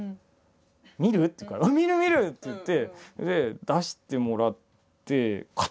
「見る？」って言うから「見る見る！」って言って出してもらってめくる。